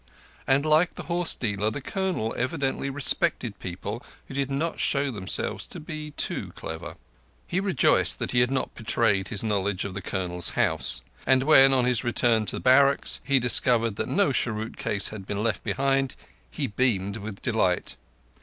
And, like the horse dealer, the Colonel evidently respected people who did not show themselves to be too clever. He rejoiced that he had not betrayed his knowledge of the Colonel's house; and when, on his return to barracks, he discovered that no cheroot case had been left behind, he beamed with delight.